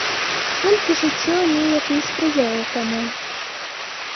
Толькі жыццё неяк не спрыяе таму.